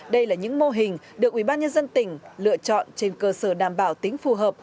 đây là những mô hình được ubnd tỉnh lựa chọn trên cơ sở đảm bảo tính phù hợp